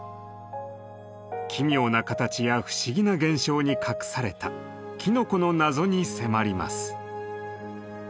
奇妙な形や不思議な現象に隠されたきのこの謎に迫ります。